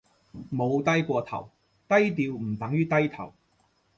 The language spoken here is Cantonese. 冇低過頭，低調唔等於低頭